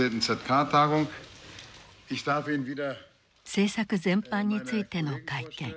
政策全般についての会見。